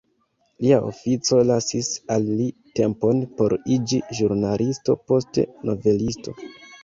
Lia ofico lasis al li tempon por iĝi ĵurnalisto poste novelisto.